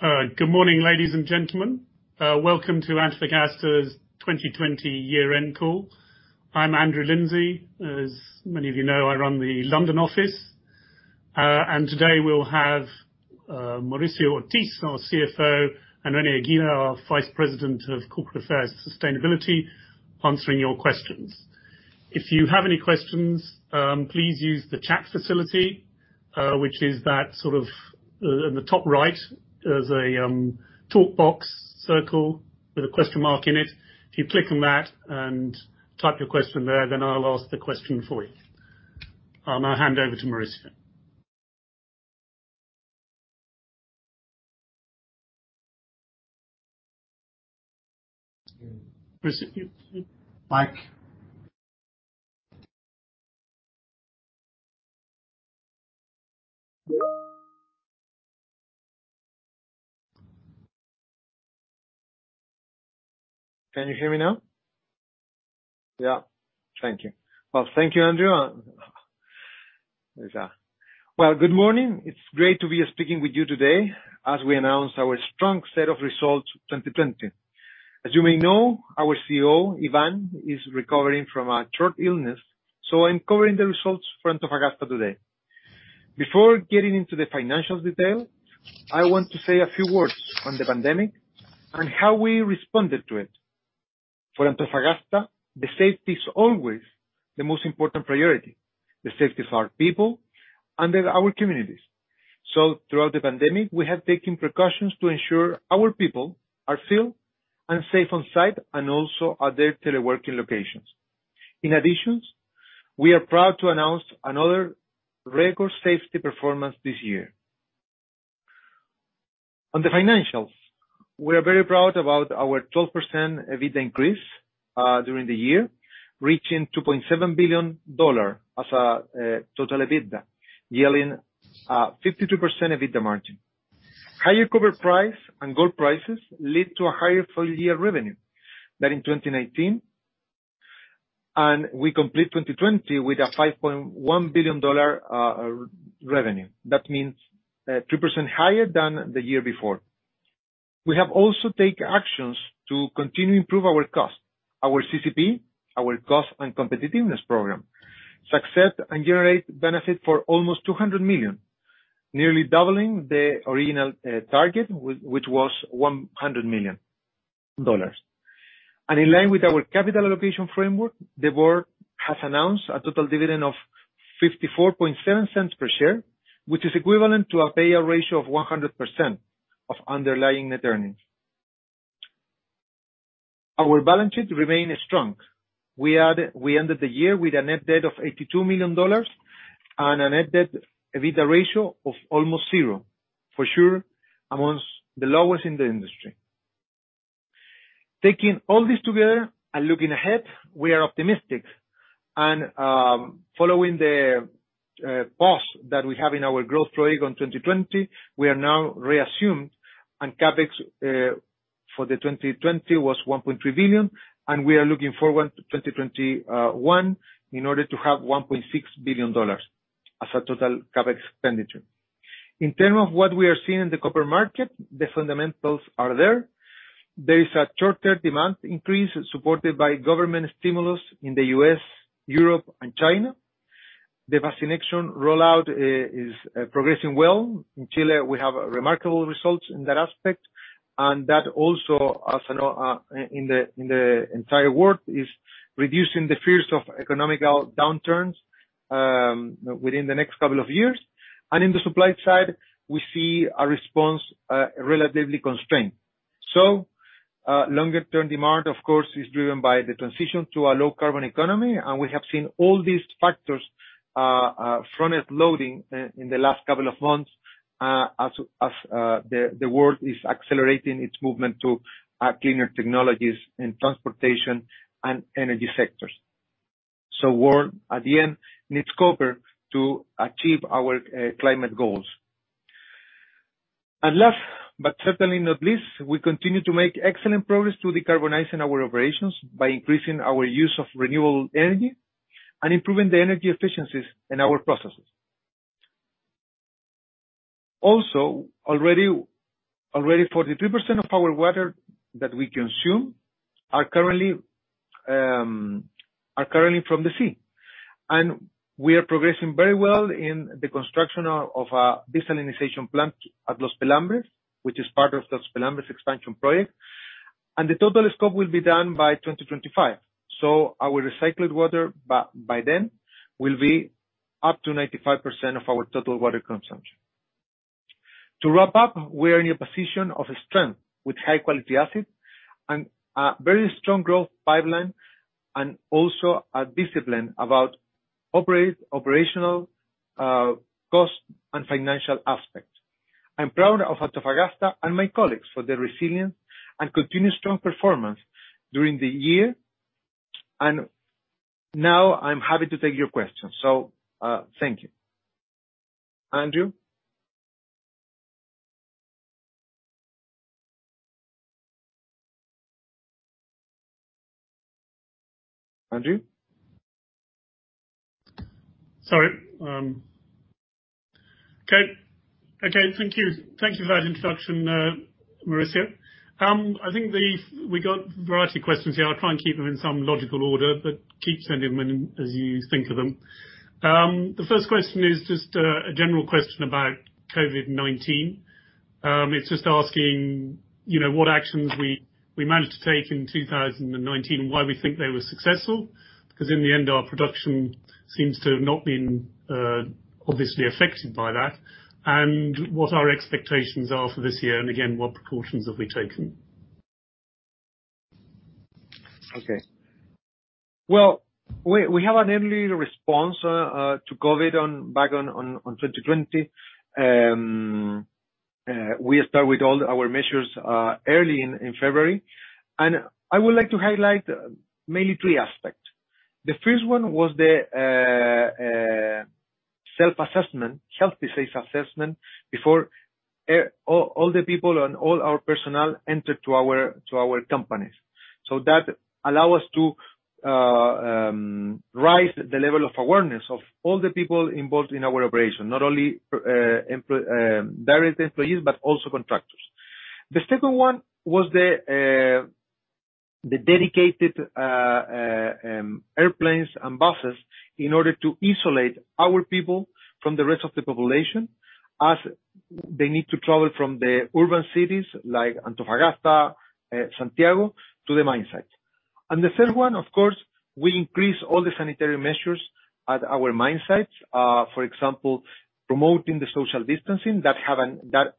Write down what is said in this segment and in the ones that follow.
Good morning, ladies and gentlemen. Welcome to Antofagasta's 2020 year-end call. I'm Andrew Lindsay. As many of you know, I run the London office. Today we'll have Mauricio Ortiz, our CFO, and René Aguilar, our Vice President of Corporate Affairs Sustainability, answering your questions. If you have any questions, please use the chat facility, which is that sort of in the top right. There's a talk box circle with a question mark in it. If you click on that and type your question there, then I'll ask the question for you. I'll now hand over to Mauricio. Mauricio, your mic. Can you hear me now? Yeah. Thank you. Thank you, Andrew. Good morning. It's great to be speaking with you today as we announce our strong set of results 2020. As you may know, our CEO, Iván, is recovering from a short illness. I'm covering the results for Antofagasta today. Before getting into the financial detail, I want to say a few words on the pandemic and how we responded to it. For Antofagasta, the safety is always the most important priority. The safety of our people and our communities. Throughout the pandemic, we have taken precautions to ensure our people are still and safe on-site and also at their teleworking locations. In addition, we are proud to announce another record safety performance this year. On the financials, we are very proud about our 12% EBITDA increase, during the year, reaching $2.7 billion as a total EBITDA, yielding 52% EBITDA margin. Higher copper price and gold prices lead to a higher full-year revenue than in 2019. We complete 2020 with a $5.1 billion revenue. That means 2% higher than the year before. We have also take actions to continue improve our cost. Our CCP, our Cost and Competitiveness Programme, success and generate benefit for almost $200 million, nearly doubling the original target, which was $100 million. In line with our capital allocation framework, the board has announced a total dividend of $0.547 per share, which is equivalent to a payout ratio of 100% of underlying net earnings. Our balance sheet remains strong. We ended the year with a net debt of $82 million, and a net debt EBITDA ratio of almost zero, for sure amongst the lowest in the industry. Following the pause that we have in our growth program in 2020, we are now reassumed. CapEx for the 2020 was $1.3 billion. We are looking forward to 2021 in order to have $1.6 billion as our total CapEx expenditure. In terms of what we are seeing in the copper market, the fundamentals are there. There is a short-term demand increase supported by government stimulus in the U.S., Europe, and China. The vaccination rollout is progressing well. In Chile, we have remarkable results in that aspect. That also, as you know, in the entire world, is reducing the fears of economical downturns within the next couple of years. In the supply side, we see a response relatively constrained. Longer-term demand, of course, is driven by the transition to a low-carbon economy, and we have seen all these factors, front-end loading in the last couple of months, as the world is accelerating its movement to cleaner technologies in transportation and energy sectors. We, at the end, need copper to achieve our climate goals. Last, but certainly not least, we continue to make excellent progress to decarbonizing our operations by increasing our use of renewable energy and improving the energy efficiencies in our processes. Also, already 43% of our water that we consume are currently from the sea. We are progressing very well in the construction of a desalination plant at Los Pelambres, which is part of Los Pelambres expansion project. The total scope will be done by 2025. Our recycled water by then will be up to 95% of our total water consumption. To wrap up, we are in a position of strength with high-quality assets and a very strong growth pipeline and also a discipline about operational, cost, and financial aspects. I'm proud of Antofagasta and my colleagues for their resilience and continued strong performance during the year. Now I'm happy to take your questions. Thank you. Andrew? Andrew? Sorry. Okay. Thank you for that introduction, Mauricio. I think we got a variety of questions here. I'll try and keep them in some logical order, but keep sending them in as you think of them. The first question is just a general question about COVID-19. It's just asking what actions we managed to take in 2019 and why we think they were successful, because in the end, our production seems to have not been obviously affected by that, and what our expectations are for this year. Again, what precautions have we taken? Okay. Well, we have an early response to COVID back in 2020. We start with all our measures early in February. I would like to highlight mainly three aspects. The first one was the self-assessment, health disease assessment before all the people on all our personnel entered to our companies. That allow us to rise the level of awareness of all the people involved in our operation, not only direct employees, but also contractors. The second one was the dedicated airplanes and buses in order to isolate our people from the rest of the population as they need to travel from the urban cities like Antofagasta, Santiago to the mine site. The third one, of course, we increase all the sanitary measures at our mine sites. For example, promoting the social distancing that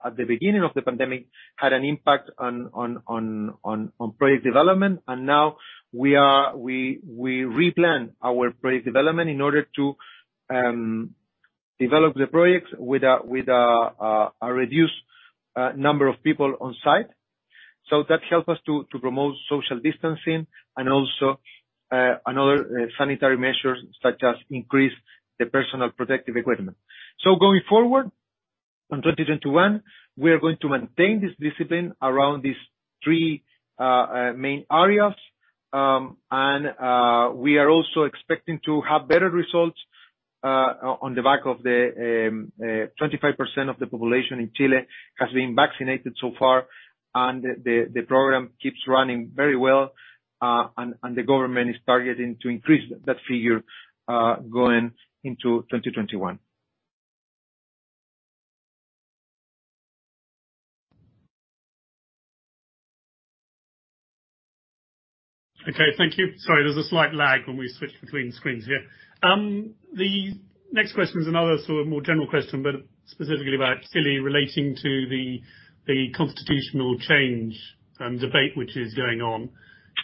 at the beginning of the pandemic had an impact on project development. Now we replan our project development in order to develop the projects with a reduced number of people on site. That help us to promote social distancing and also another sanitary measures such as increase the personal protective equipment. Going forward, in 2021, we are also expecting to have better results on the back of the 25% of the population in Chile has been vaccinated so far. The program keeps running very well. The government is targeting to increase that figure going into 2021. Okay. Thank you. Sorry, there is a slight lag when we switch between screens here. The next question is another sort of more general question, but specifically about Chile relating to the constitutional change and debate which is going on.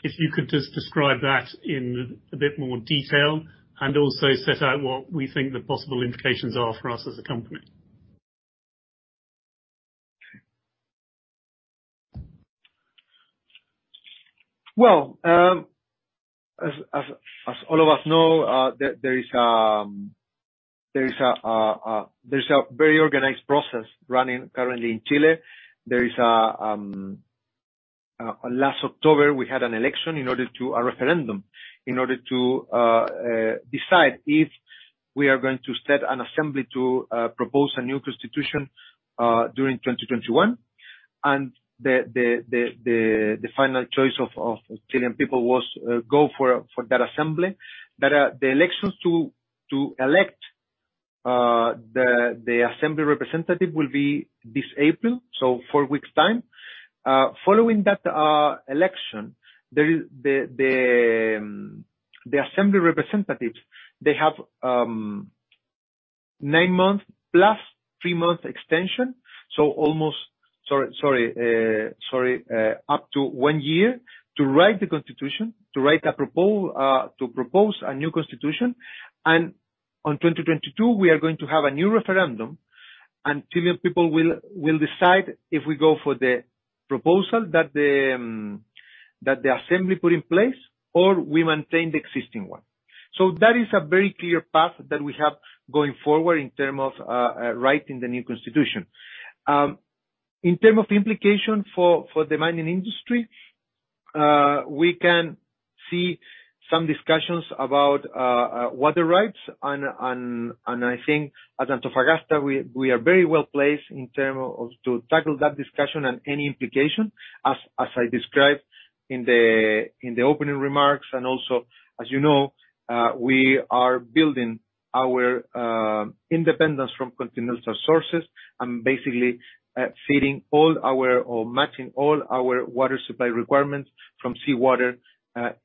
If you could just describe that in a bit more detail and also set out what we think the possible implications are for us as a company. Well, as all of us know, there's a very organized process running currently in Chile. Last October, we had a referendum in order to decide if we are going to set an assembly to propose a new constitution during 2021. The final choice of Chilean people was go for that assembly. The elections to elect the assembly representative will be this April, so four weeks time. Following that election, the assembly representatives, they have nine months plus three months extension. almost, sorry, up to one year to write the constitution, to propose a new constitution. On 2022, we are going to have a new referendum, and Chilean people will decide if we go for the proposal that the assembly put in place, or we maintain the existing one. That is a very clear path that we have going forward in terms of writing the new constitution. In terms of implication for the mining industry, we can see some discussions about water rights. I think at Antofagasta, we are very well-placed in terms of to tackle that discussion and any implication, as I described in the opening remarks. Also, as you know, we are building our independence from continental sources and basically matching all our water supply requirements from seawater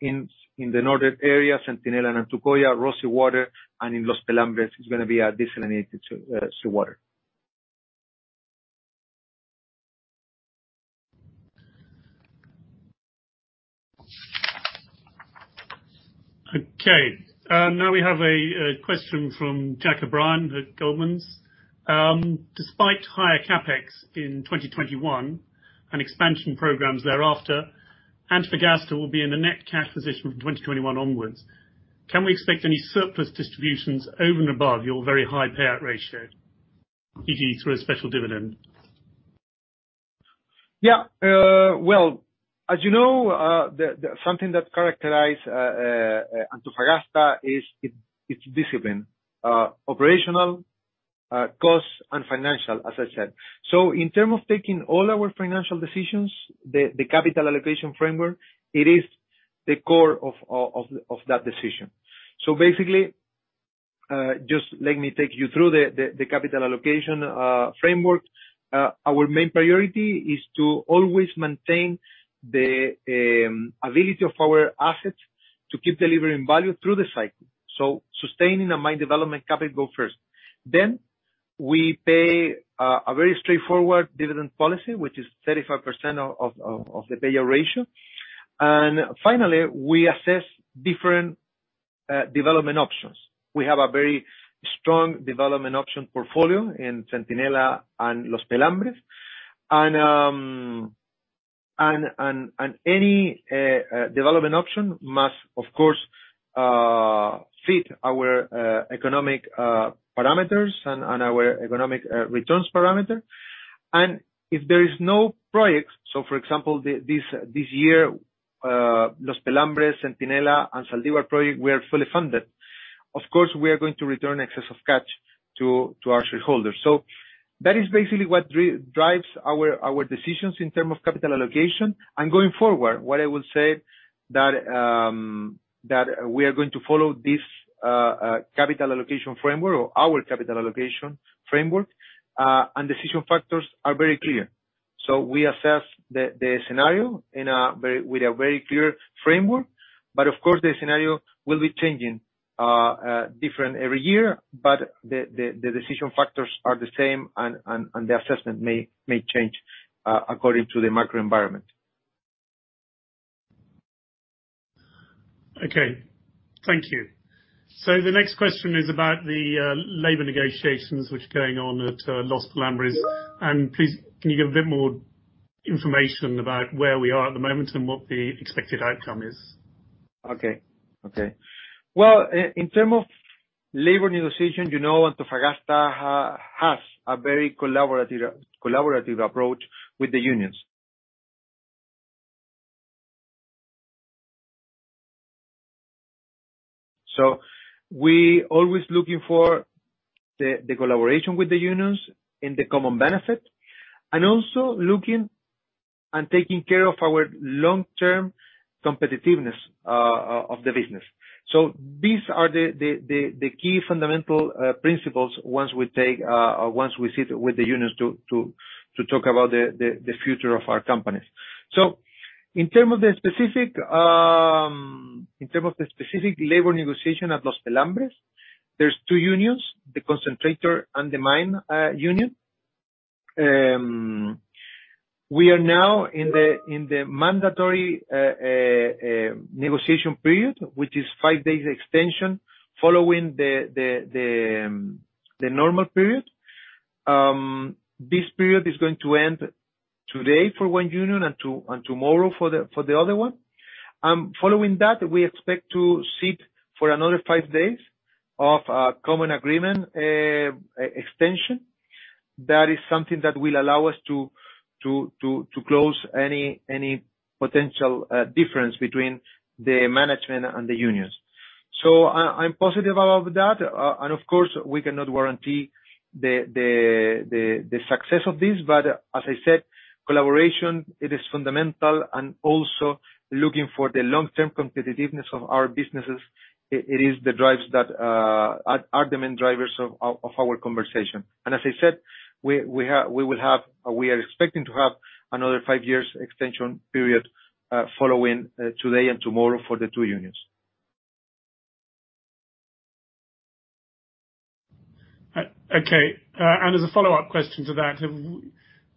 in the northern area, Centinela and Antucoya, raw seawater, and in Los Pelambres, it's going to be desalinated seawater. Okay. We have a question from Jack O'Brien at Goldman's. Despite higher CapEx in 2021 and expansion programs thereafter, Antofagasta will be in a net cash position from 2021 onwards. Can we expect any surplus distributions over and above your very high payout ratio, e.g., through a special dividend? Well, as you know, something that characterize Antofagasta is its discipline. Operational, costs, and financial, as I said. In term of taking all our financial decisions, the capital allocation framework, it is the core of that decision. Basically, just let me take you through the capital allocation framework. Our main priority is to always maintain the ability of our assets to keep delivering value through the cycle. Sustaining our mine development capital go first. We pay a very straightforward dividend policy, which is 35% of the payout ratio. Finally, we assess different development options. We have a very strong development option portfolio in Centinela and Los Pelambres. Any development option must, of course, fit our economic parameters and our economic returns parameter. If there is no project, so for example, this year, Los Pelambres, Centinela, and Zaldívar project were fully funded. Of course, we are going to return excess of cash to our shareholders. That is basically what drives our decisions in terms of capital allocation. Going forward, what I will say that we are going to follow this capital allocation framework or our capital allocation framework, and decision factors are very clear. We assess the scenario with a very clear framework. Of course, the scenario will be changing, different every year. The decision factors are the same and the assessment may change, according to the macro environment. Okay. Thank you. The next question is about the labor negotiations which are going on at Los Pelambres. Please, can you give a bit more information about where we are at the moment and what the expected outcome is? Well, in terms of labor negotiation, you know Antofagasta has a very collaborative approach with the unions. We always looking for the collaboration with the unions in the common benefit, and also looking and taking care of our long-term competitiveness of the business. These are the key fundamental principles once we sit with the unions to talk about the future of our companies. In terms of the specific labor negotiation at Los Pelambres, there's two unions, the concentrator and the mine union. We are now in the mandatory negotiation period, which is five days extension following the normal period. This period is going to end today for one union and tomorrow for the other one. Following that, we expect to sit for another five days of a common agreement extension. That is something that will allow us to close any potential difference between the management and the unions. I'm positive about that. Of course, we cannot guarantee the success of this, but as I said, collaboration, it is fundamental and also looking for the long-term competitiveness of our businesses. It is the argument drivers of our conversation. As I said, we are expecting to have another five years extension period, following today and tomorrow for the two unions. Okay. As a follow-up question to that,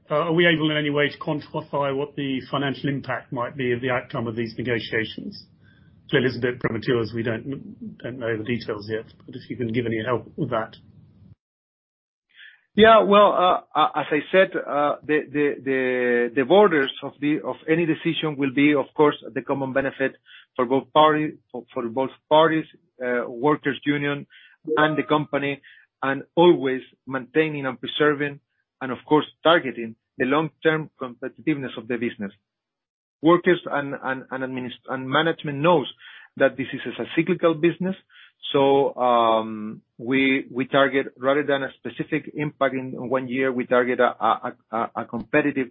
are we able in any way to quantify what the financial impact might be of the outcome of these negotiations? It is a bit premature as we don't know the details yet, but if you can give any help with that. Yeah. Well, as I said, the borders of any decision will be, of course, the common benefit for both parties, workers union and the company, and always maintaining and preserving and, of course, targeting the long-term competitiveness of the business. Workers and management knows that this is a cyclical business. rather than a specific impact in one year, we target a competitive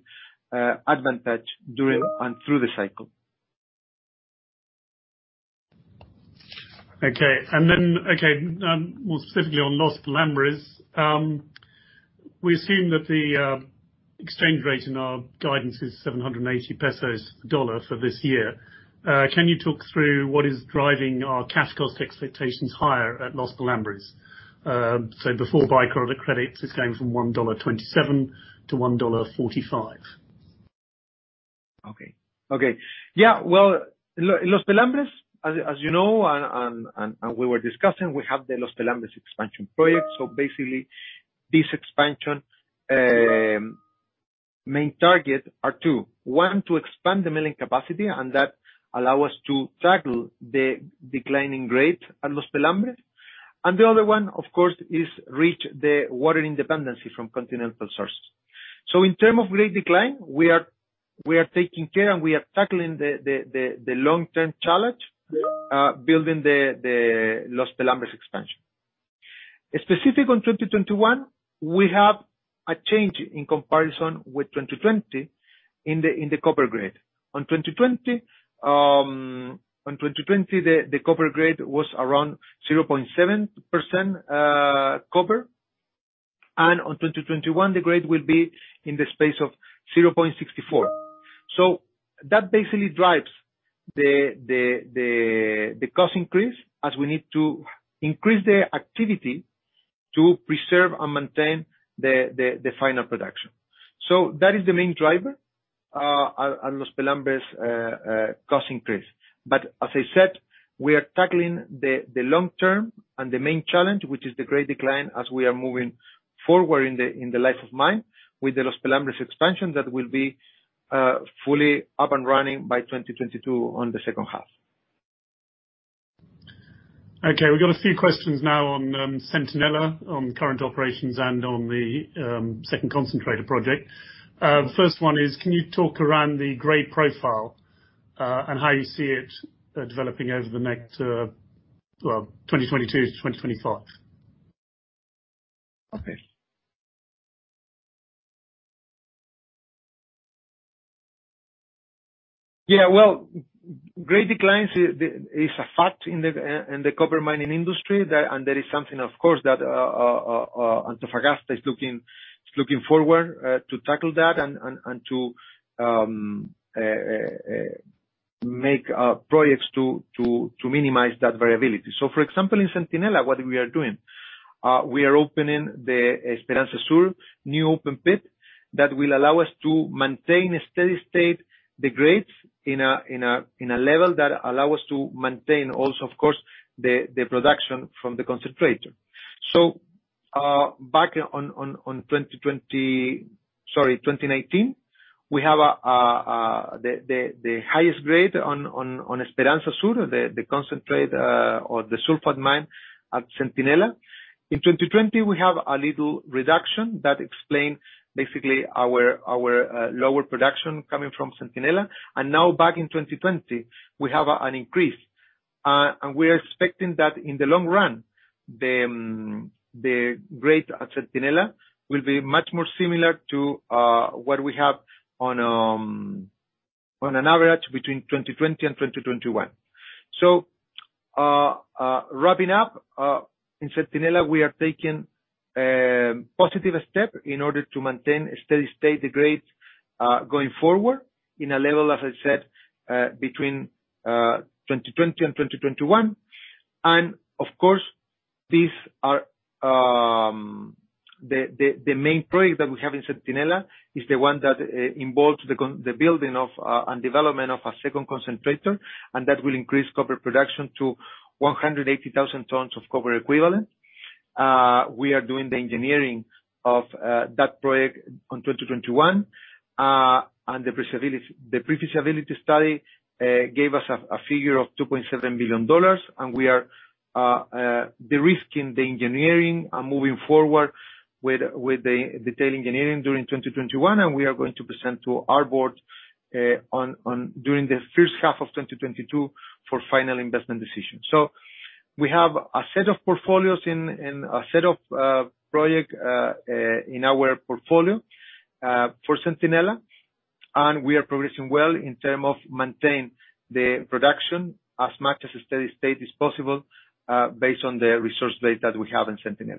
advantage during and through the cycle. Okay. Then, more specifically on Los Pelambres, we assume that the exchange rate in our guidance is 780 pesos dollar for this year. Can you talk through what is driving our cash cost expectations higher at Los Pelambres? Before by-product credits, it is going from $1.27-$1.45. Okay. Yeah. Well, Los Pelambres, as you know, and we were discussing, we have the Los Pelambres expansion project. Basically, this expansion main target are two. One, to expand the milling capacity, and that allow us to tackle the declining grade at Los Pelambres. And the other one, of course, is reach the water independency from continental sources. In term of grade decline, we are taking care and we are tackling the long-term challenge, building the Los Pelambres expansion. Specific on 2021, we have a change in comparison with 2020 in the copper grade. On 2020, the copper grade was around 0.7% copper. On 2021, the grade will be in the space of 0.64. That basically drives the cost increase as we need to increase the activity to preserve and maintain the final production. That is the main driver on Los Pelambres cost increase. As I said, we are tackling the long term and the main challenge, which is the grade decline as we are moving forward in the life of mine with the Los Pelambres expansion that will be fully up and running by 2022 on the H2. Okay, we've got a few questions now on Centinela, on current operations and on the second concentrator project. The first one is, can you talk around the grade profile, and how you see it developing over the next, well, 2022-2025? Yeah, well, grade declines is a fact in the copper mining industry. There is something, of course, that Antofagasta is looking forward to tackle that and to make projects to minimize that variability. For example, in Centinela, what we are doing, we are opening the Esperanza Sur new open pit that will allow us to maintain a steady state, the grades in a level that allow us to maintain also, of course, the production from the concentrator. Back on 2020, sorry, 2019, we have the highest grade on Esperanza Sur, the concentrate or the sulfate mine at Centinela. In 2020, we have a little reduction that explain basically our lower production coming from Centinela. Now back in 2020, we have an increase. We are expecting that in the long run, the grade at Centinela will be much more similar to what we have on an average between 2020 and 2021. Wrapping up. In Centinela, we are taking positive step in order to maintain a steady state grade, going forward in a level, as I said, between 2020 and 2021. Of course, the main project that we have in Centinela is the one that involves the building of and development of a second concentrator, and that will increase copper production to 180,000 tons of copper equivalent. We are doing the engineering of that project on 2021. The pre-feasibility study gave us a figure of $2.7 billion. The risk in the engineering are moving forward with the detailed engineering during 2021, and we are going to present to our Board during the H1 of 2022 for final investment decision. We have a set of project in our portfolio for Centinela, and we are progressing well in terms of maintain the production as much as a steady state is possible, based on the resource base that we have in Centinela.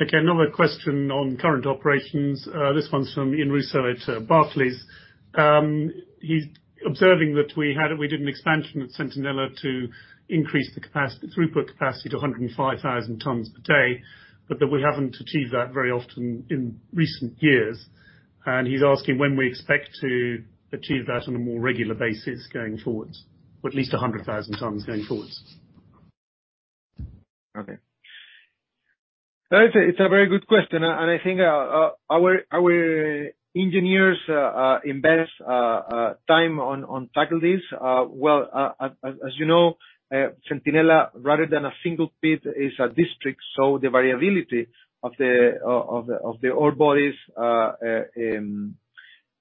Okay. Another question on current operations. This one's from Ian Rossouw at Barclays. He's observing that we did an expansion at Centinela to increase the throughput capacity to 105,000 tons per day, but that we haven't achieved that very often in recent years. He's asking when we expect to achieve that on a more regular basis going forwards. Or at least 100,000 tons going forwards. Okay. That is a very good question. I think our engineers invest time on tackle this. Well, as you know, Centinela, rather than a single pit is a district. The variability of the ore bodies,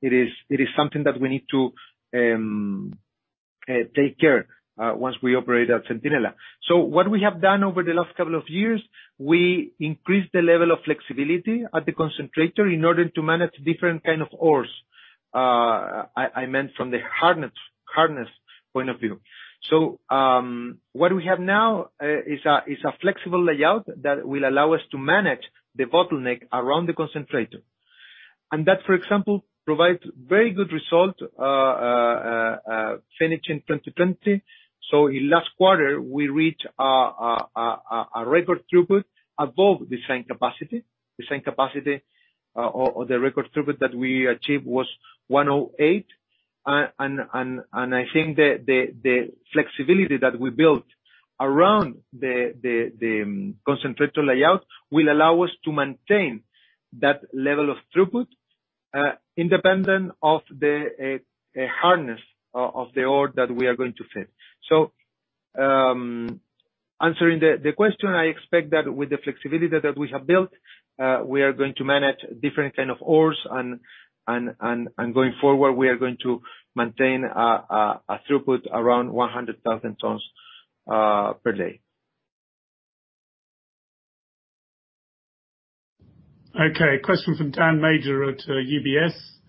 it is something that we need to take care once we operate at Centinela. What we have done over the last couple of years, we increased the level of flexibility at the concentrator in order to manage different kind of ores. I meant from the hardness point of view. What we have now is a flexible layout that will allow us to manage the bottleneck around the concentrator. That, for example, provides very good result finishing 2020. In last quarter, we reached a record throughput above design capacity. The record throughput that we achieved was 108. I think the flexibility that we built around the concentrator layout will allow us to maintain that level of throughput independent of the hardness of the ore that we are going to face. Answering the question, I expect that with the flexibility that we have built, we are going to manage different kind of ores. Going forward, we are going to maintain a throughput around 100,000 tons per day. Okay. Question from Daniel Major at UBS.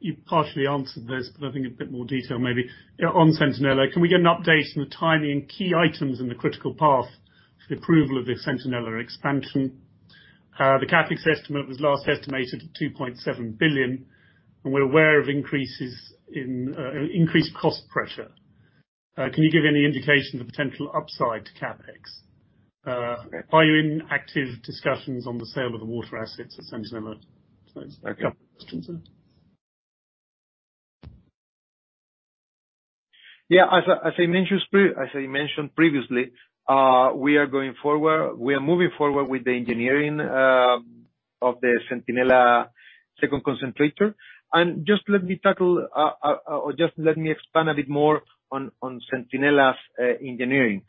You partially answered this, but I think a bit more detail maybe. On Centinela, can we get an update on the timing and key items in the critical path to the approval of the Centinela expansion? The CapEx estimate was last estimated at $2.7 billion, we're aware of increased cost pressure. Can you give any indication of the potential upside to CapEx? Are you in active discussions on the sale of the water assets at Centinela? That's my questions. Yeah. As I mentioned previously, we are moving forward with the engineering of the Centinela second concentrator. Just let me tackle, or just let me expand a bit more on Centinela's engineering.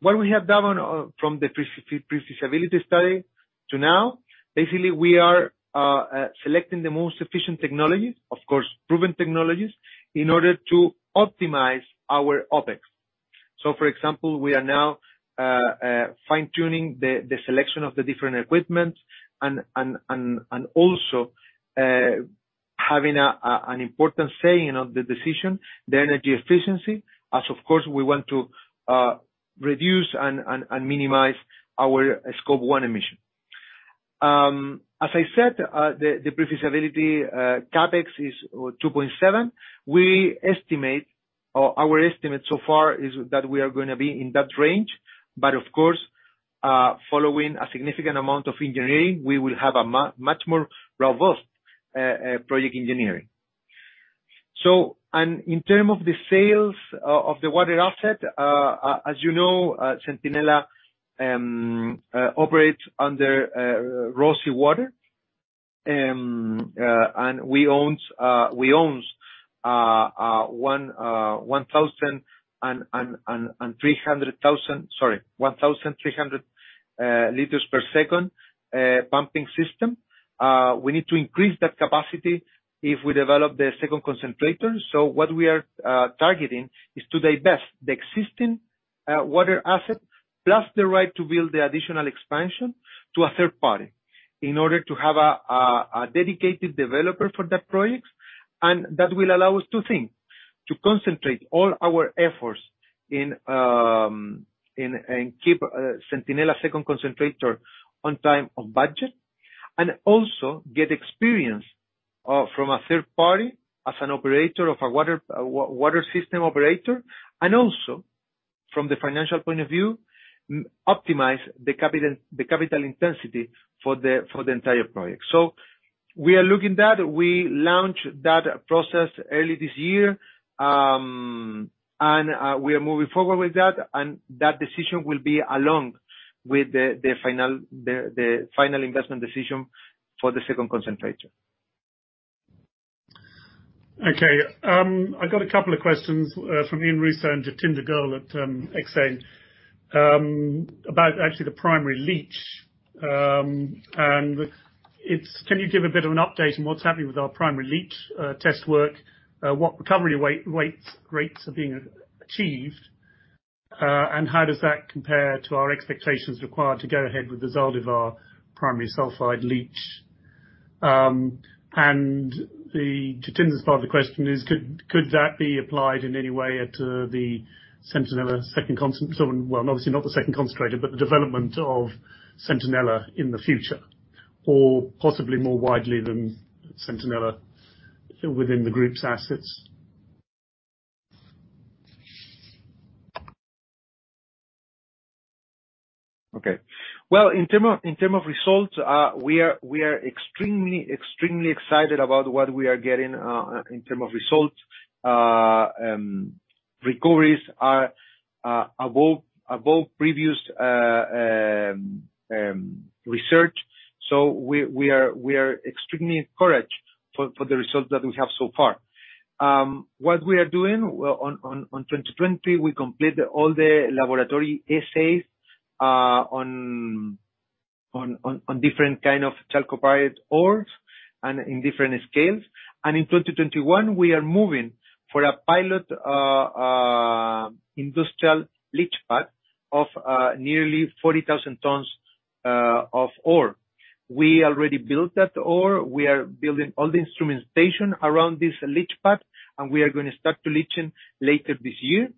What we have done from the pre-feasibility study to now, basically, we are selecting the most efficient technologies, of course, proven technologies, in order to optimize our OpEx. For example, we are now fine-tuning the selection of the different equipment and also having an important say in the decision, the energy efficiency, as of course, we want to reduce and minimize our Scope 1 emission. As I said, the pre-feasibility CapEx is $2.7. Our estimate so far is that we are going to be in that range. Of course, following a significant amount of engineering, we will have a much more robust project engineering. In term of the sales of the water asset, as you know, Centinela operates under raw seawater. We own 1,300 liters per second pumping system. We need to increase that capacity if we develop the second concentrator. What we are targeting is to divest the existing water asset, plus the right to build the additional expansion to a third party, in order to have a dedicated developer for that project. That will allow us two things, to concentrate all our efforts and keep Centinela second concentrator on time and budget. Also get experience from a third party as a water system operator. Also, from the financial point of view, optimize the capital intensity for the entire project. We are looking at that. We launched that process early this year. We are moving forward with that. That decision will be along with the final investment decision for the second concentrator. Okay. I've got a couple of questions from Ian Rossouw and Jatinder Goel at Exane about actually the primary leach. Can you give a bit of an update on what's happening with our primary leach test work? What recovery rates are being achieved? How does that compare to our expectations required to go ahead with the Zaldívar primary sulfide leach? Jatinder's part of the question is, could that be applied in any way at the Centinela, well, obviously not the second concentrator, but the development of Centinela in the future, or possibly more widely than Centinela within the group's assets? Okay. Well, in term of results, we are extremely excited about what we are getting in term of results. Recoveries are above previous research. We are extremely encouraged for the results that we have so far. What we are doing, on 2020, we completed all the laboratory assays on different kind of chalcopyrite ores and in different scales. In 2021, we are moving for a pilot industrial leach pad of nearly 40,000 tons of ore. We already built that ore. We are building all the instrumentation around this leach pad, and we are going to start the leaching later this year.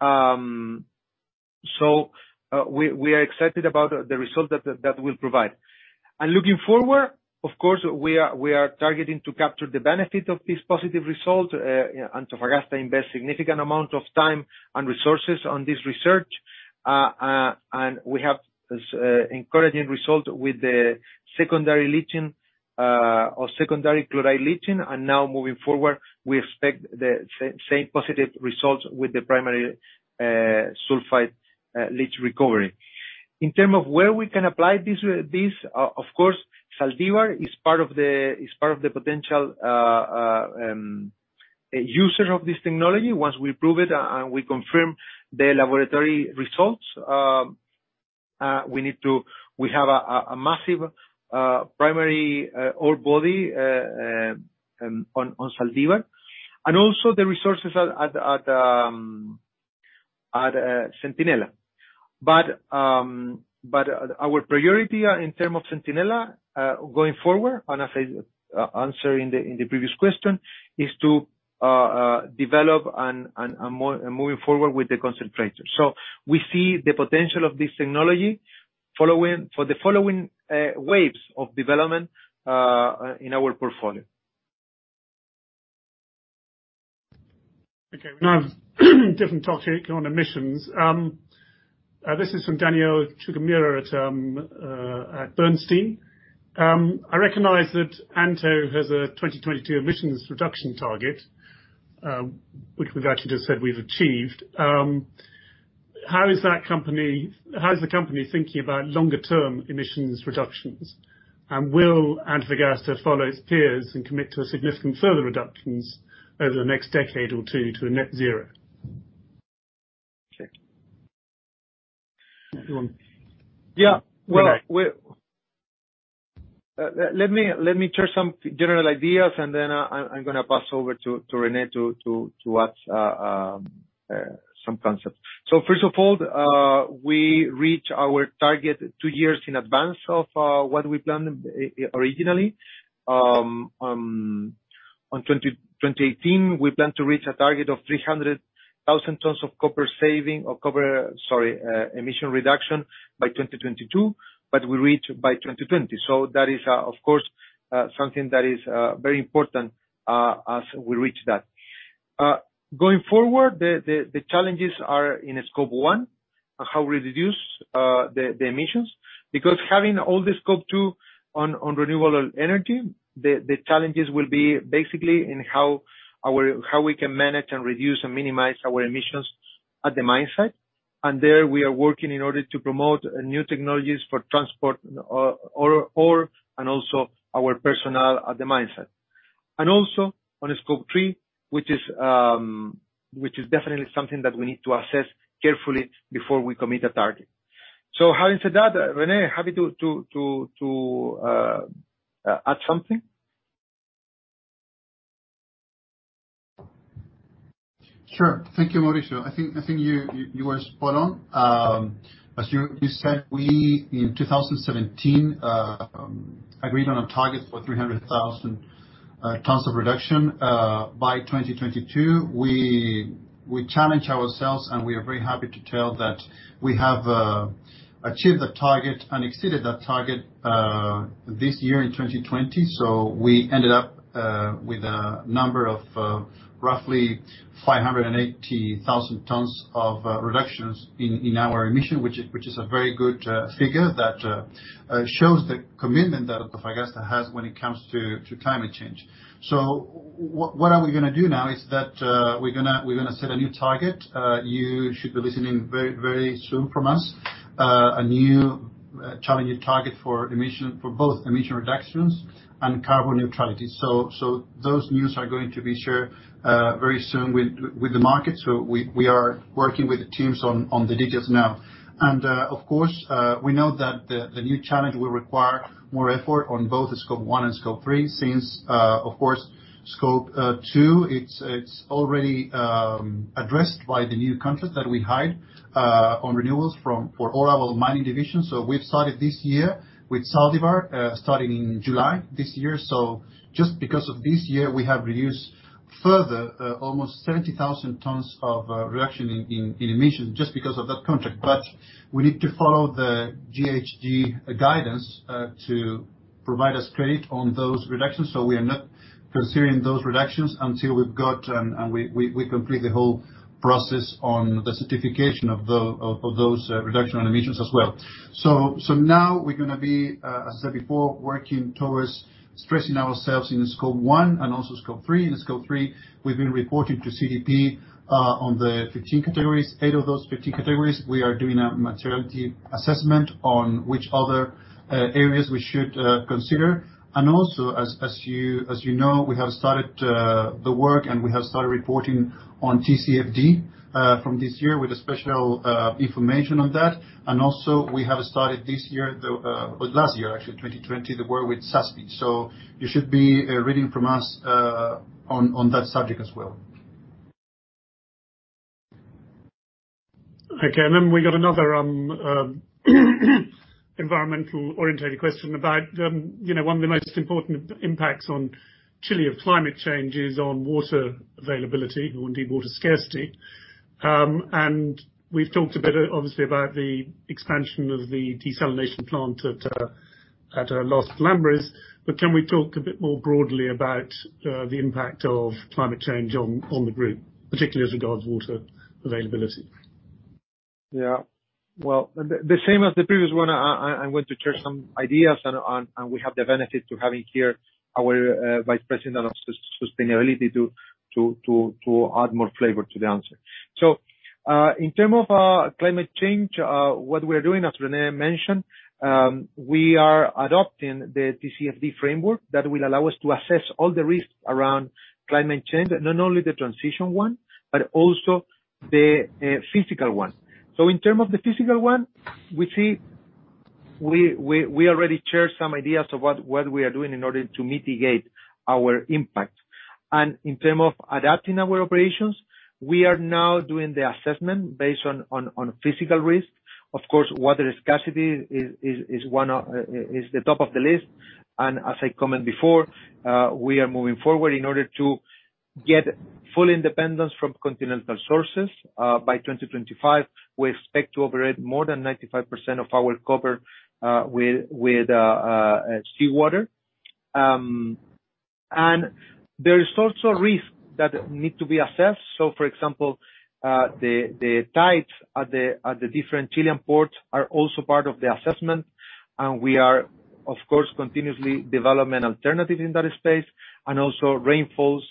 We are excited about the result that that will provide. Looking forward, of course, we are targeting to capture the benefit of this positive result. Antofagasta invest significant amount of time and resources on this research. We have encouraging result with the secondary leaching or secondary chloride leaching. Now moving forward, we expect the same positive results with the primary sulfide leach recovery. In term of where we can apply this, of course, Zaldívar is part of the potential user of this technology once we prove it and we confirm the laboratory results. We have a massive primary ore body on Zaldívar. Also the resources at Centinela. Our priority in term of Centinela going forward, and as I answer in the previous question, is to develop and moving forward with the concentrator. We see the potential of this technology for the following waves of development in our portfolio. Okay. Now, different topic on emissions. This is from Danielle Chigumira at Bernstein. I recognize that Anto has a 2022 emissions reduction target, which we've actually just said we've achieved. How is the company thinking about longer term emissions reductions? Will Antofagasta follow its peers and commit to a significant further reductions over the next decade or two to a net zero? Sure. Yeah. Let me share some general ideas, and then I'm going to pass over to René to add some concepts. First of all, we reach our target two years in advance of what we planned originally. In 2018, we planned to reach a target of 300,000 tons of carbon emission reduction by 2022, but we reached by 2020. That is, of course, something that is very important as we reach that. Going forward, the challenges are in Scope 1, how we reduce the emissions. Because having all the Scope 2 on renewable energy, the challenges will be basically in how we can manage and reduce and minimize our emissions at the mine site. There we are working in order to promote new technologies for transport ore and also our personnel at the mine site. Also on Scope 3, which is definitely something that we need to assess carefully before we commit a target. Having said that, René, happy to add something? Sure. Thank you, Mauricio. I think you were spot on. As you said, we, in 2017, agreed on a target for 300,000 tons of reduction by 2022. We challenged ourselves, we are very happy to tell that we have achieved that target and exceeded that target this year in 2020. We ended up with a number of roughly 580,000 tons of reductions in our emission, which is a very good figure that shows the commitment that Antofagasta has when it comes to climate change. What are we going to do now is that we're going to set a new target. You should be listening very soon from us. A new challenging target for both emission reductions and carbon neutrality. Those news are going to be shared very soon with the market. We are working with the teams on the details now. Of course, we know that the new challenge will require more effort on both Scope 1 and Scope 3, since of course, Scope 2, it's already addressed by the new contracts that we had on renewals for all our mining divisions. We've started this year with Sal de Vera starting in July this year. Just because of this year, we have reduced further almost 70,000 tons of reduction in emission just because of that contract. We need to follow the GHG guidance to provide us credit on those reductions. We are not considering those reductions until we complete the whole process on the certification of those reduction on emissions as well. Now we're going to be, as I said before, working towards stressing ourselves in Scope 1 and also Scope 3. In Scope 3, we've been reporting to CDP on the 15 categories. Eight of those 15 categories, we are doing a materiality assessment on which other areas we should consider. Also as you know, we have started the work and we have started reporting on TCFD from this year with a special information on that. Also we have started this year, or last year, actually, 2020, the work with SASB. You should be reading from us on that subject as well. Okay. Then we got another environmental-oriented question about one of the most important impacts on Chile of climate change is on water availability or indeed water scarcity. We've talked a bit, obviously, about the expansion of the desalination plant at Los Pelambres. Can we talk a bit more broadly about the impact of climate change on the group, particularly as regards water availability? Yeah. Well, the same as the previous one, I want to share some ideas, and we have the benefit to having here our Vice President of Sustainability to add more flavor to the answer. In terms of climate change, what we are doing, as René mentioned, we are adopting the TCFD framework that will allow us to assess all the risks around climate change. Not only the transition one, but also the physical one. In term of the physical one, we already shared some ideas of what we are doing in order to mitigate our impact. In term of adapting our operations, we are now doing the assessment based on physical risk. Of course, water scarcity is the top of the list. As I comment before, we are moving forward in order to get full independence from continental sources. By 2025, we expect to operate more than 95% of our copper with seawater. There is also risk that need to be assessed. For example, the tides at the different Chilean ports are also part of the assessment. We are, of course, continuously developing alternatives in that space. Also rainfalls,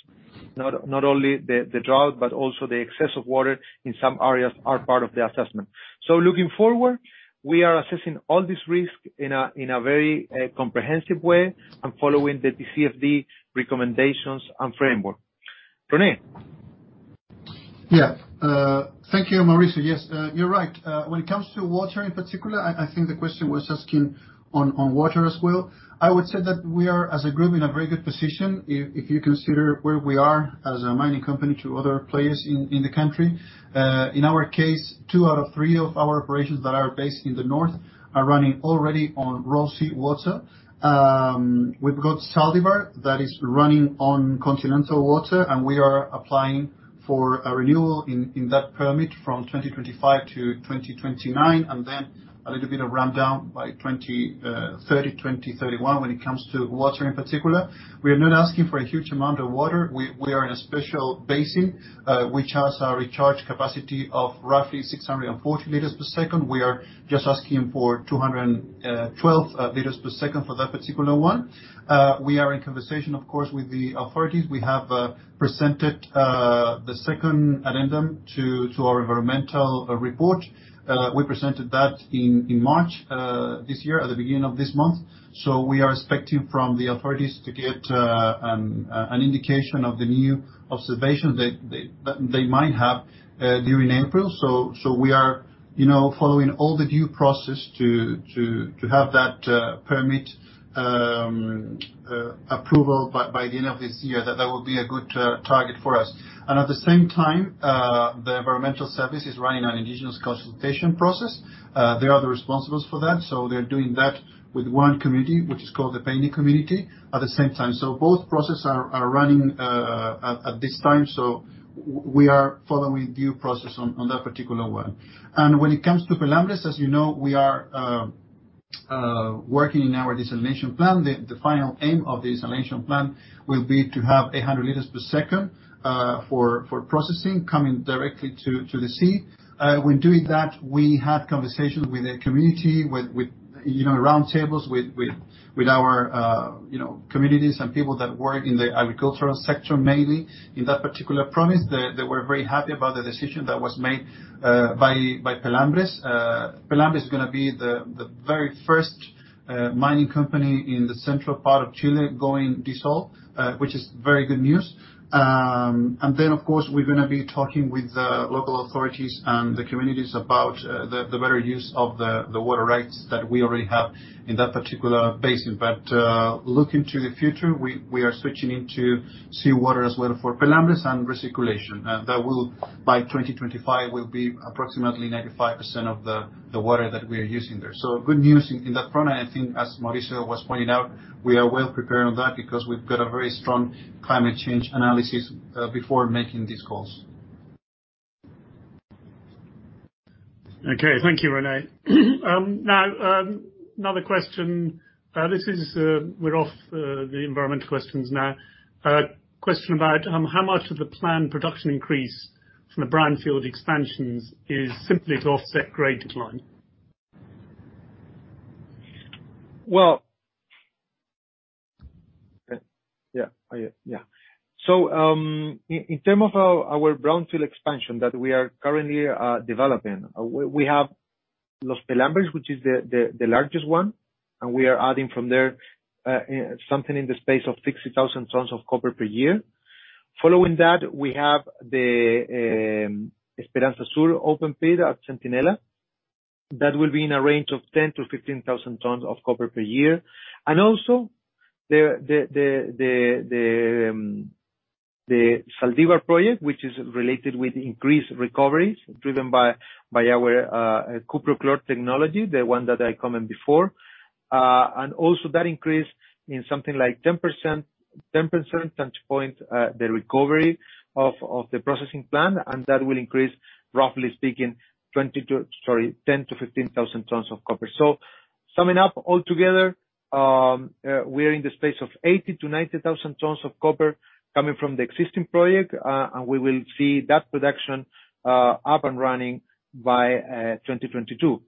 not only the drought, but also the excess of water in some areas are part of the assessment. Looking forward, we are assessing all these risks in a very comprehensive way and following the TCFD recommendations and framework. René? Yeah. Thank you, Mauricio. Yes, you're right. When it comes to water in particular, I think the question was asking on water as well. I would say that we are, as a group, in a very good position if you consider where we are as a mining company to other players in the country. In our case, two out of three of our operations that are based in the north are running already on raw seawater. We've got Zaldívar that is running on continental water, and we are applying for a renewal in that permit from 2025-2029, and then a little bit of ramp down by 2030, 2031 when it comes to water in particular. We are not asking for a huge amount of water. We are in a special basin, which has a recharge capacity of roughly 640 liters per second. We are just asking for 212 liters per second for that particular one. We are in conversation, of course, with the authorities. We have presented the second addendum to our environmental report. We presented that in March this year, at the beginning of this month. We are expecting from the authorities to get an indication of the new observations that they might have during April. We are following all the due process to have that permit approval by the end of this year. That would be a good target for us. At the same time, the environmental service is running an indigenous consultation process. They are the responsible for that, so they're doing that with one community, which is called the Peine community, at the same time. Both processes are running at this time, so we are following due process on that particular one. When it comes to Pelambres, as you know, we are working in our desalination plant. The final aim of the desalination plant will be to have 800 liters per second for processing coming directly to the sea. When doing that, we had conversations with the community, with roundtables, with our communities and people that work in the agricultural sector, mainly in that particular province. They were very happy about the decision that was made by Pelambres. Pelambres is going to be the very first mining company in the central part of Chile going desalinated, which is very good news. Of course, we're going to be talking with local authorities and the communities about the better use of the water rights that we already have in that particular basin. Looking to the future, we are switching into seawater as well for Pelambres and recirculation. That will, by 2025, will be approximately 95% of the water that we are using there. Good news in that front. I think as Mauricio was pointing out, we are well prepared on that because we've got a very strong climate change analysis before making these calls. Okay. Thank you, René. Another question. We're off the environmental questions now. A question about how much of the planned production increase from the brownfield expansions is simply to offset grade decline? In term of our brownfield expansion that we are currently developing, we have Los Pelambres, which is the largest one, and we are adding from there something in the space of 60,000 tons of copper per year. Following that, we have the Esperanza Sur open pit at Centinela. That will be in a range of 10,000-15,000 tons of copper per year. The Zaldívar project, which is related with increased recoveries driven by our Cuprochlor technology, the one that I comment before. That increase in something like 10% touch point the recovery of the processing plant, and that will increase, roughly speaking, 10,000-15,000 tons of copper. Summing up all together, we're in the space of 80,000-90,000 tons of copper coming from the existing project. We will see that production up and running by 2022.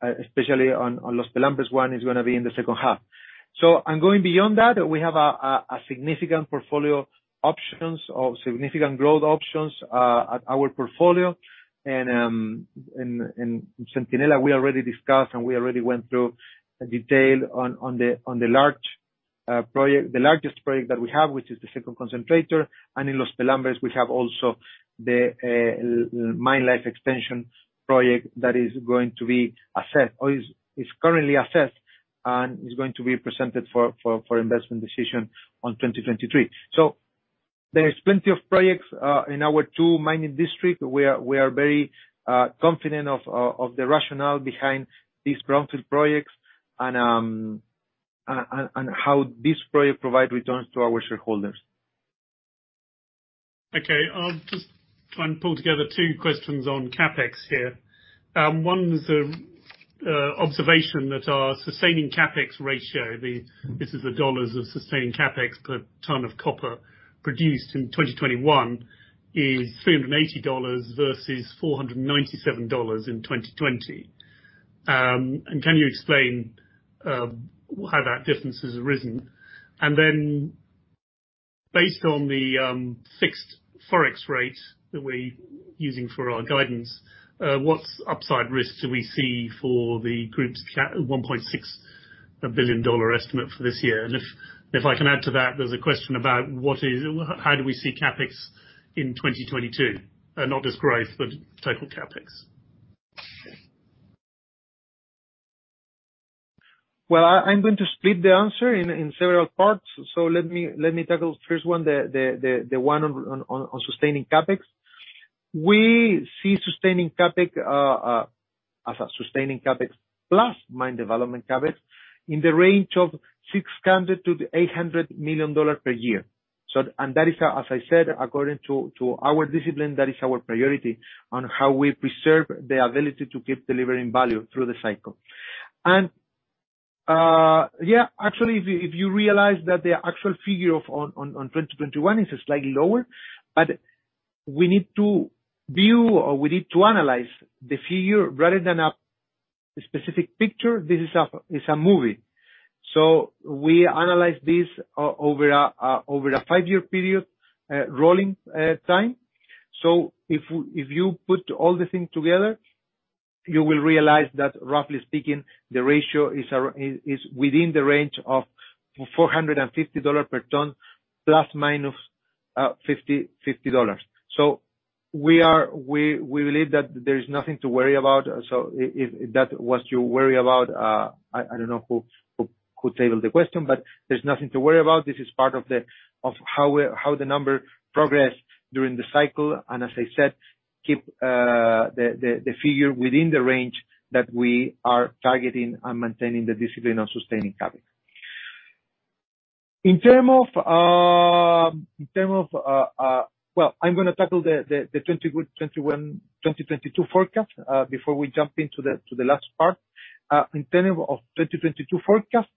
Especially on Los Pelambres, one is going to be in the H2. I'm going beyond that. We have a significant portfolio options or significant growth options at our portfolio. In Centinela, we already discussed and we already went through detail on the largest project that we have, which is the second concentrator. In Los Pelambres, we have also the mine life expansion project that is going to be assessed or is currently assessed and is going to be presented for investment decision on 2023. There is plenty of projects in our two mining districts. We are very confident of the rationale behind these brownfield projects and how these projects provide returns to our shareholders. Okay. I'll just try and pull together two questions on CapEx here. One is the observation that our sustaining CapEx ratio, this is the dollars of sustaining CapEx per ton of copper produced in 2021 is $380 versus $497 in 2020. Can you explain, how that difference has arisen? Then based on the fixed Forex rate that we're using for our guidance, what's upside risks do we see for the group's $1.6 billion estimate for this year? If I can add to that, there's a question about how do we see CapEx in 2022? Not just growth, but total CapEx. I'm going to split the answer in several parts. Let me tackle first one, the one on sustaining CapEx. We see sustaining CapEx as a sustaining CapEx plus mine development CapEx in the range of $600 million-$800 million per year. That is, as I said, according to our discipline, that is our priority on how we preserve the ability to keep delivering value through the cycle. Actually if you realize that the actual figure on 2021 is slightly lower, but we need to view or we need to analyze the figure rather than a specific picture. This is a movie. We analyze this over a five-year period, rolling time. If you put all the things together, you will realize that roughly speaking, the ratio is within the range of $450 per ton plus minus $50. We believe that there is nothing to worry about. If that was your worry about, I don't know who tabled the question, but there's nothing to worry about. This is part of how the number progress during the cycle. As I said, keep the figure within the range that we are targeting and maintaining the discipline on sustaining CapEx. Well, I'm going to tackle the 2021, 2022 forecast, before we jump into the last part. In terms of 2022 forecast,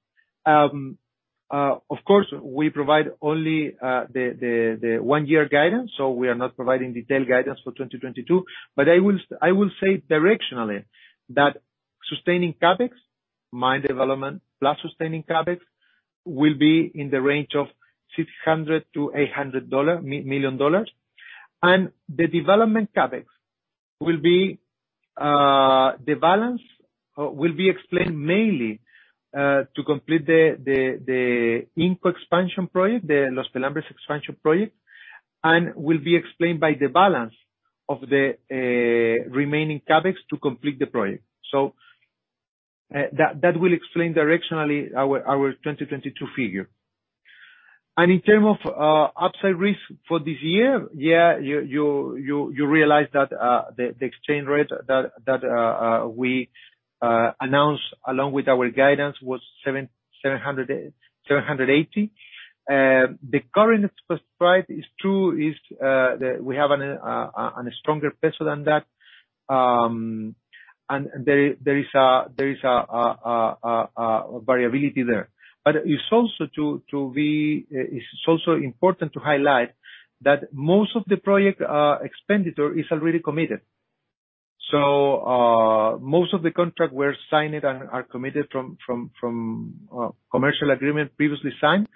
of course, we provide only the one-year guidance, we are not providing detailed guidance for 2022, but I will say directionally that sustaining CapEx, mine development plus sustaining CapEx, will be in the range of $600 million-$800 million. The development CapEx, the balance will be explained mainly, to complete the INCO project, the Los Pelambres expansion project, and will be explained by the balance of the remaining CapEx to complete the project. That will explain directionally our 2022 figure. In term of upside risk for this year, you realize that the exchange rate that we announced along with our guidance was 780. The current spot price is, we have a stronger peso than that. There is a variability there. It's also important to highlight that most of the project expenditure is already committed. Most of the contract were signed and are committed from commercial agreement previously signed.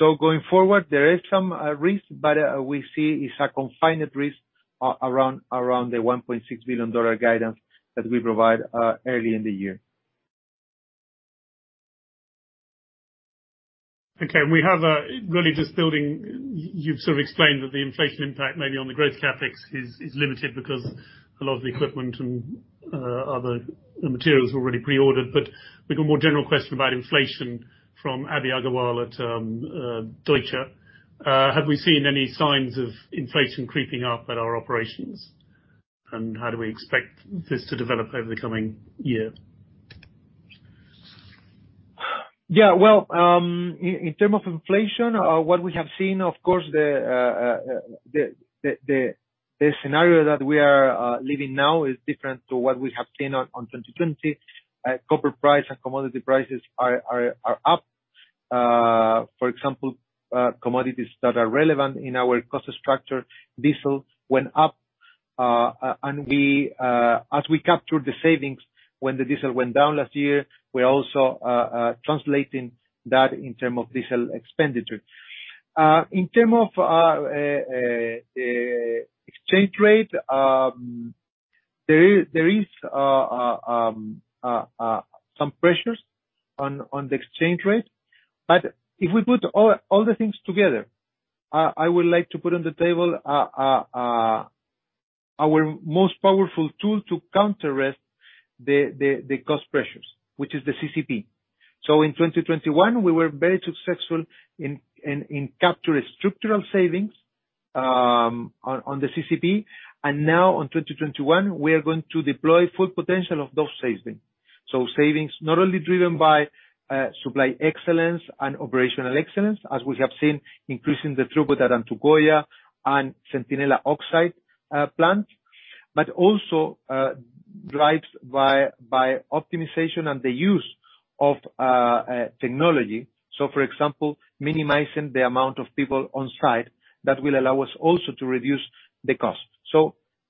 Going forward, there is some risk, but we see it's a confined risk around the $1.6 billion guidance that we provide early in the year. Okay. We have a really just building, you've sort of explained that the inflation impact maybe on the growth CapEx is limited because a lot of the equipment and other materials were already pre-ordered. We've got a more general question about inflation from Abhi Agarwal at Deutsche Bank. Have we seen any signs of inflation creeping up at our operations? How do we expect this to develop over the coming year? In term of inflation, what we have seen, of course, the scenario that we are living now is different to what we have seen on 2020. Copper price and commodity prices are up. For example, commodities that are relevant in our cost structure, diesel went up. As we captured the savings when the diesel went down last year, we're also translating that in term of diesel expenditure. In term of exchange rate, there is some pressures on the exchange rate. If we put all the things together, I would like to put on the table our most powerful tool to counteract the cost pressures, which is the CCP. In 2021, we were very successful in capture structural savings on the CCP, and now on 2021, we are going to deploy full potential of those savings. Savings not only driven by supply excellence and operational excellence, as we have seen, increasing the throughput at Antucoya and Centinela oxide plant, but also drives by optimization and the use of technology. For example, minimizing the amount of people on site that will allow us also to reduce the cost.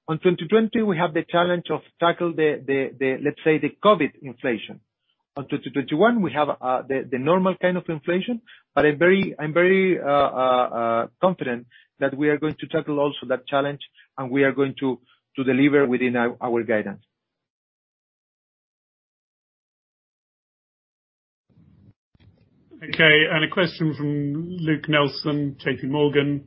On 2020, we have the challenge of tackle, let's say, the COVID inflation. On 2021, we have the normal kind of inflation, but I'm very confident that we are going to tackle also that challenge, and we are going to deliver within our guidance. A question from Luke Nelson, J.P. Morgan.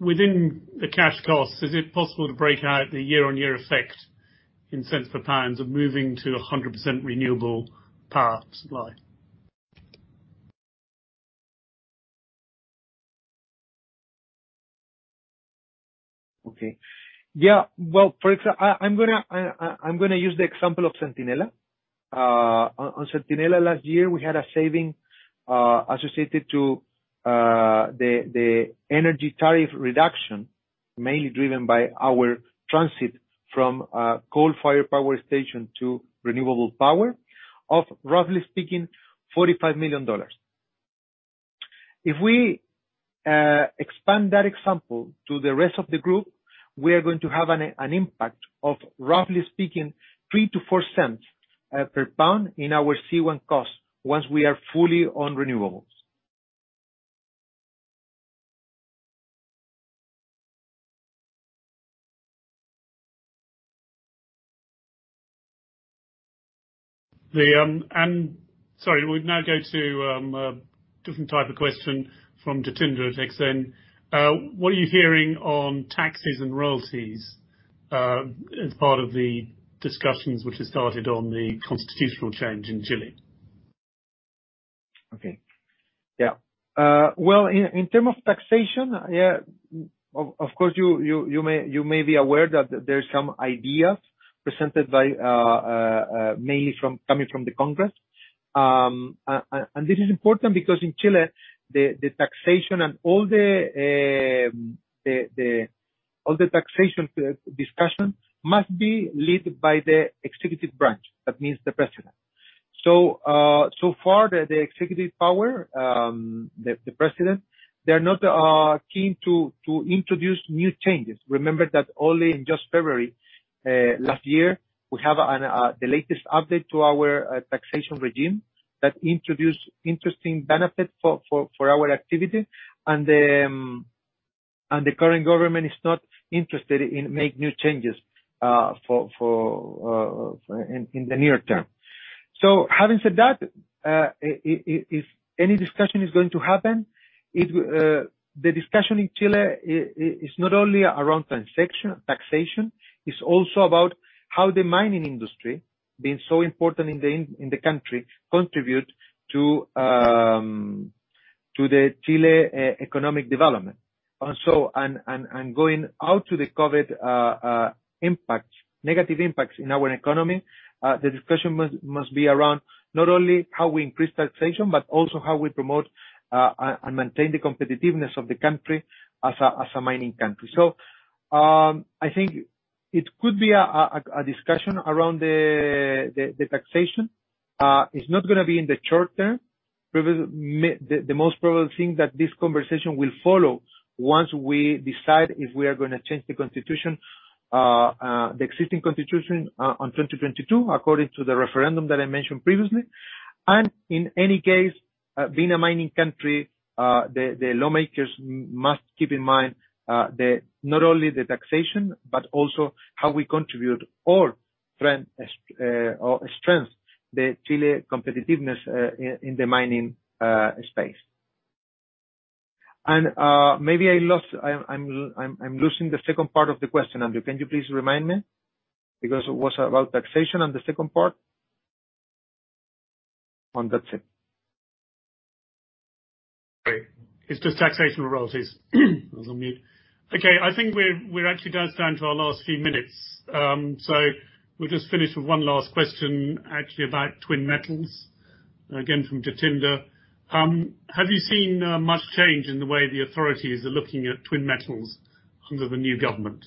Within the cash costs, is it possible to break out the year-on-year effect in cents per pounds of moving to 100% renewable power supply? Okay. Yeah, I'm going to use the example of Centinela. On Centinela last year, we had a saving, associated to the energy tariff reduction, mainly driven by our transit from a coal fire power station to renewable power, of roughly speaking, $45 million. If we expand that example to the rest of the group, we are going to have an impact of, roughly speaking, $0.03-$0.04 per pound in our C1 cost once we are fully on renewables. Sorry, we now go to a different type of question from Jatinder at Exane. What are you hearing on taxes and royalties as part of the discussions which have started on the constitutional change in Chile? Okay. Yeah. Well, in term of taxation, of course, you may be aware that there's some ideas presented mainly coming from the Congress. This is important because in Chile, the taxation and all the taxation discussion must be led by the executive branch. That means the president. So far, the executive power, the president, they're not keen to introduce new changes. Remember that only in just February last year, we have the latest update to our taxation regime that introduced interesting benefits for our activity, and the current government is not interested in make new changes in the near term. Having said that, if any discussion is going to happen, the discussion in Chile is not only around taxation, it's also about how the mining industry, being so important in the country, contribute to the Chile economic development. Going out to the COVID negative impacts in our economy, the discussion must be around not only how we increase taxation, but also how we promote and maintain the competitiveness of the country as a mining country. I think it could be a discussion around the taxation. It's not going to be in the short term. The most probable thing that this conversation will follow once we decide if we are going to change the existing constitution on 2022, according to the referendum that I mentioned previously. In any case, being a mining country, the lawmakers must keep in mind not only the taxation, but also how we contribute or strengthen the Chile competitiveness in the mining space. Maybe I'm losing the second part of the question, Andrew. Can you please remind me? Because it was about taxation and the second part. Oh, that's it. Great. It's just taxation royalties. I was on mute. Okay. I think we're actually down to our last few minutes. We'll just finish with one last question, actually, about Twin Metals, again, from Jatinder. Have you seen much change in the way the authorities are looking at Twin Metals under the new government?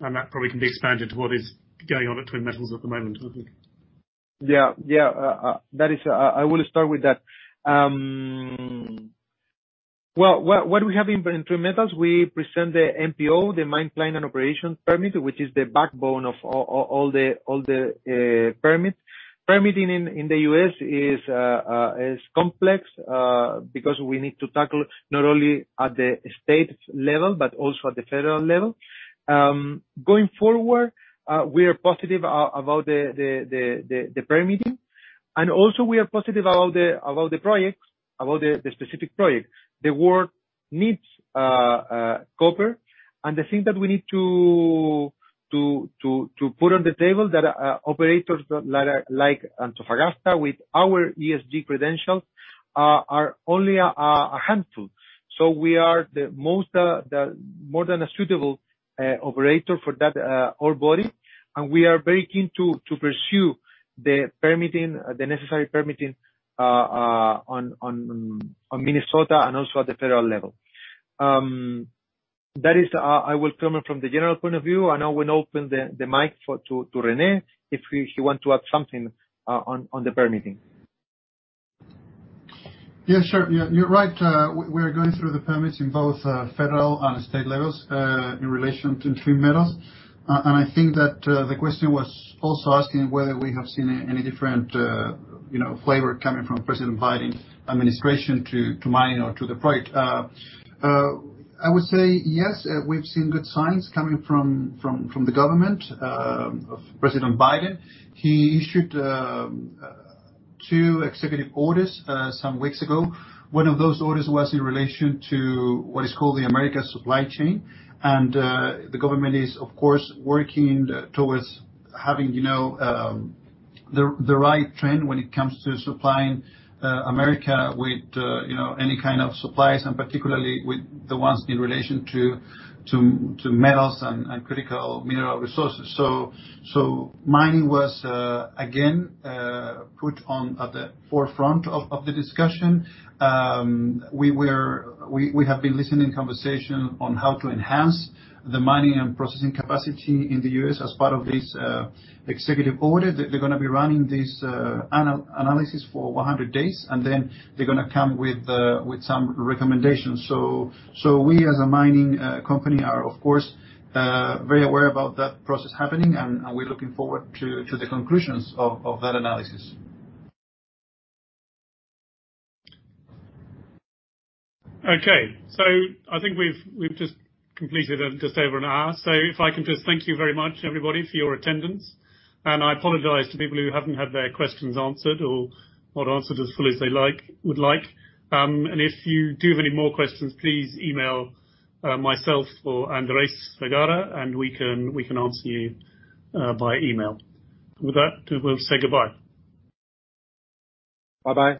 That probably can be expanded to what is going on at Twin Metals at the moment, I think. Yeah. I will start with that. Well, what do we have in Twin Metals? We present the MPO, the mine plan and operation permit, which is the backbone of all the permits. Permitting in the U.S. is complex, because we need to tackle not only at the state level, but also at the federal level. Going forward, we are positive about the permitting, and also we are positive about the specific projects. The world needs copper, and the thing that we need to put on the table that operators like Antofagasta with our ESG credentials are only a handful. We are more than a suitable operator for that ore body. We are very keen to pursue the necessary permitting on Minnesota and also at the federal level. That is, I will come from the general point of view, I will open the mic to René, if he wants to add something on the permitting. Yeah, sure. You're right. We are going through the permits in both federal and state levels, in relation to Twin Metals. I think that the question was also asking whether we have seen any different flavor coming from President Biden administration to mining or to the project. I would say yes, we've seen good signs coming from the government of President Biden. He issued two executive orders some weeks ago. One of those orders was in relation to what is called the America's Supply Chains. The government is, of course, working towards having the right trend when it comes to supplying the U.S. with any kind of supplies, and particularly with the ones in relation to metals and critical mineral resources. Mining was, again, put at the forefront of the discussion. We have been listening conversation on how to enhance the mining and processing capacity in the U.S. as part of this Executive Order. They're going to be running this analysis for 100 days, and then they're going to come with some recommendations. We, as a mining company, are of course very aware about that process happening. We're looking forward to the conclusions of that analysis. Okay. I think we've just completed just over an hour. If I can just thank you very much, everybody, for your attendance. I apologize to people who haven't had their questions answered or not answered as fully as they would like. If you do have any more questions, please email myself or Andrés Vegarra and we can answer you via email. With that, we'll say goodbye. Bye-bye.